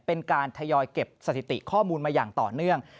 เป็นการทยอยเก็บสถิติข้อมูลมาอย่างต่อเนื่อง